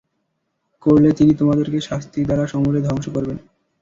করলে তিনি তোমাদেরকে শাস্তি দ্বারা সমূলে ধ্বংস করবেন।